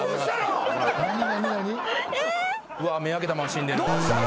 うわっ目開けたまま死んでる。